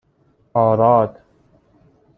آراد